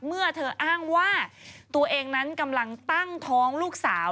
เมื่อเธออ้างว่าตัวเองนั้นกำลังตั้งท้องลูกสาว